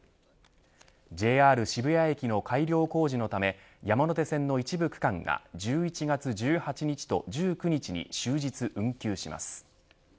ＪＲ渋谷駅の改良工事のため山手線の一部区間が１１月１８日と１９日に終日運休します。